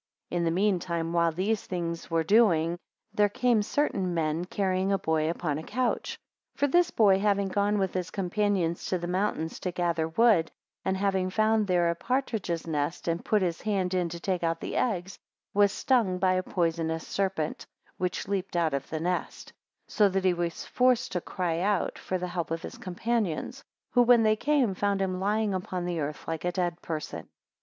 4 In the mean time, while these things were doing, there came certain men, carrying a boy upon a couch; 5 For this boy having gone with his companions to the mountain to gather wood, and having found there a partridge's nest, and put his hand in to take out the eggs, was stung by a poisonous serpent, which leaped out of the nest; so that he was forced to cry out for the help of his companions; who, when they came, found him lying upon the earth like a dead person.